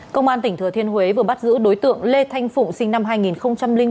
công an tỉnh thừa thiên huế vừa bắt giữ đối tượng lê thanh phụng sinh năm hai nghìn bốn